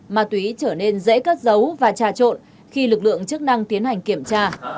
ma túy trở nên dễ cất giấu và trà trộn khi lực lượng chức năng tiến hành kiểm tra